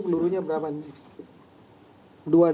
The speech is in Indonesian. peluruhnya berapa nih